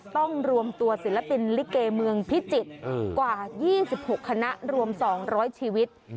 ต้องรวมตัวศิลปินลิเกเมืองพิจิตรกว่า๒๖คณะรวม๒๐๐ชีวิต